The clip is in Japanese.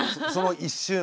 その一瞬。